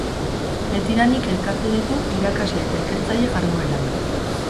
Betidanik elkartu ditu irakasle eta ikertzaile jarduerak.